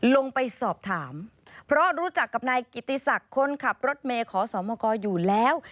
ลงไปสอบถามเพราะรู้จักกับนายกิติศักดิ์คนขับรถเมย์ขอสมกอยู่แล้ว